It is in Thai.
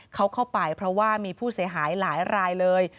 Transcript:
เขาเข้าไปเพราะว่ามีผู้เสียหายหลายรายเลย